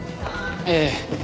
ええ。